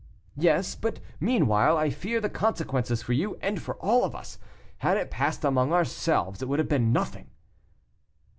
"Yes; but meanwhile, I fear the consequences for you and for all of us. Had it passed among ourselves, it would have been nothing."